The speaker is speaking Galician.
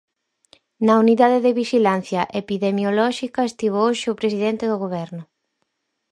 Na Unidade de Vixilancia Epidemiolóxica estivo hoxe o presidente do Goberno.